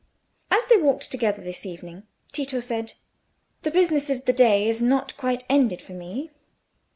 As they walked together this evening, Tito said—"The business of the day is not yet quite ended for me.